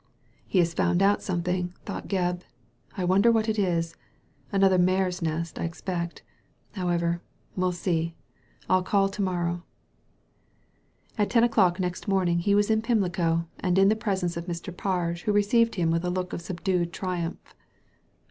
''He has found out something,*' thought Gebb. *' I wonder what it is ? another mare's nest, I expect. However, we'll see. I'll call to morrow." At ten o'clock next morning he was in Pimlico, and in the presence of Mr. Parge, who received him with a look of subdued triumph.